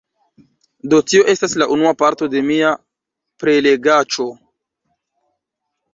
Do tio estas la unua parto de mia prelegaĉo